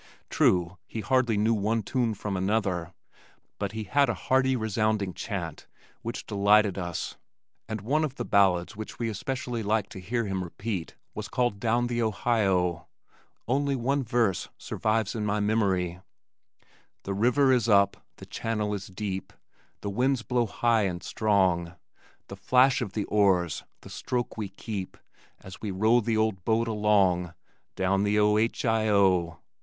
True, he hardly knew one tune from another, but he had a hearty resounding chant which delighted us, and one of the ballads which we especially like to hear him repeat was called Down the Ohio. Only one verse survives in my memory: The river is up, the channel is deep, The winds blow high and strong. The flash of the oars, the stroke we keep, As we row the old boat along, Down the O h i o.